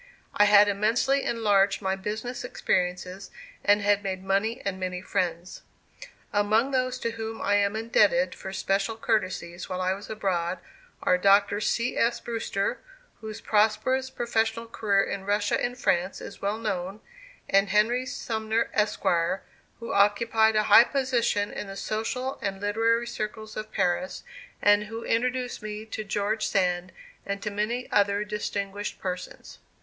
I had immensely enlarged my business experiences and had made money and many friends. Among those to whom I am indebted for special courtesies while I was abroad are Dr. C. S. Brewster, whose prosperous professional career in Russia and France is well known, and Henry Sumner, Esq., who occupied a high position in the social and literary circles of Paris and who introduced me to George Sand and to many other distinguished persons.